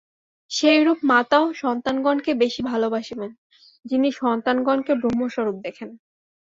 সেইরূপ মাতাও সন্তানগণকে বেশী ভালবাসিবেন, যিনি সন্তানগণকে ব্রহ্মস্বরূপ দেখেন।